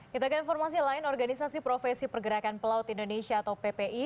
kita ke informasi lain organisasi profesi pergerakan pelaut indonesia atau ppi